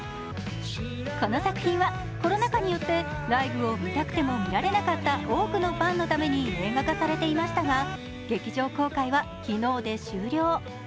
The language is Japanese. この作品はコロナ禍によってライブを見たくても見られなかった多くのファンのために映画化されていましたが、劇場公開は昨日で終了。